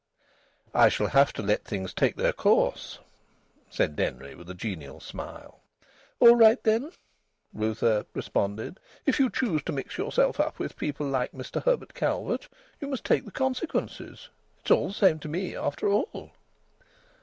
"I shall have to let things take their course," said Denry with a genial smile. "All right, then," Ruth Earp responded. "If you choose to mix yourself up with people like Mr Herbert Calvert, you must take the consequences! It's all the same to me, after all."